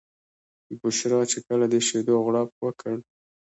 بشرا چې کله د شیدو غوړپ وکړ.